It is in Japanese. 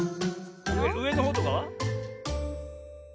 うえのほうとかは？